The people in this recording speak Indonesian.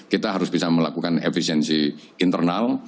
kita harus bisa melakukan efisiensi internal